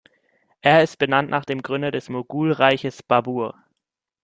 Er ist benannt nach dem Gründer des Mogulreiches, Babur.